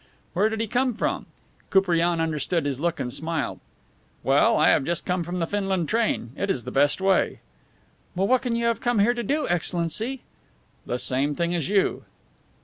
Where did he come from? Koupriane understood his look and smiled. "Well, I have just come from the Finland train; it is the best way." "But what can you have come here to do, Excellency?" "The same thing as you."